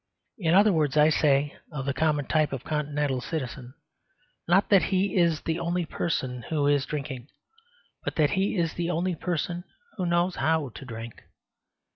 In other words, I say of the common type of Continental citizen, not that he is the only person who is drinking, but that he is the only person who knows how to drink.